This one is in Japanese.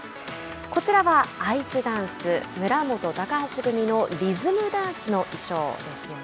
こちらはアイスダンス村元・高橋組のリズムダンスの衣装ですよね。